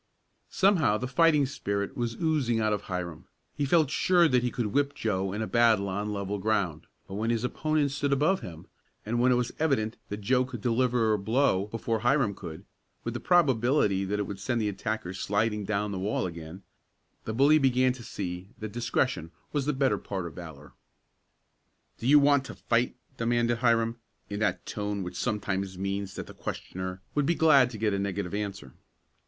Somehow the fighting spirit was oozing out of Hiram. He felt sure that he could whip Joe in a battle on level ground, but when his opponent stood above him, and when it was evident that Joe could deliver a blow before Hiram could, with the probability that it would send the attacker sliding down the wall again, the bully began to see that discretion was the better part of valor. "Do you want to fight?" demanded Hiram, in that tone which sometimes means that the questioner would be glad to get a negative answer.